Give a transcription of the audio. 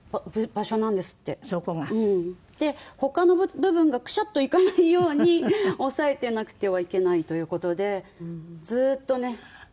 で他の部分がクシャッといかないように押さえてなくてはいけないという事でずーっとねはめてたわね。